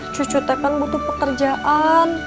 cucu tepan butuh pekerjaan